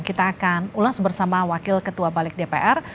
kita akan ulas bersama wakil ketua balik dpr